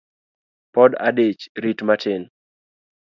Pod adich rit matin